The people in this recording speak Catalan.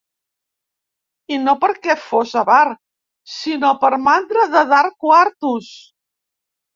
I no perquè fos avar, sinó per mandra de dar quartos.